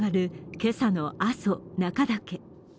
今朝の阿蘇中岳。